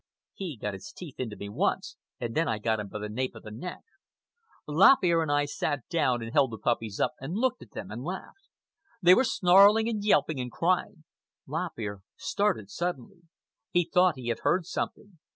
He got his teeth into me once, and then I got him by the nape of the neck. Lop Ear and I sat down, and held the puppies up, and looked at them, and laughed. They were snarling and yelping and crying. Lop Ear started suddenly. He thought he had heard something.